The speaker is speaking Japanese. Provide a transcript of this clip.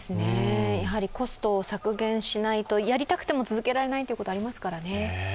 コストを削減しないと、やりたくても続けられないことありますからね。